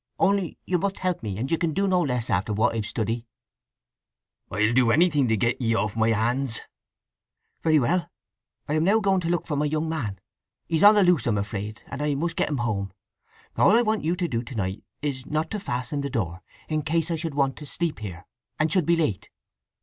Only you must help me: and you can do no less, after what I've stood 'ee." "I'll do anything to get thee off my hands!" "Very well. I am now going to look for my young man. He's on the loose I'm afraid, and I must get him home. All I want you to do to night is not to fasten the door, in case I should want to sleep here, and should be late."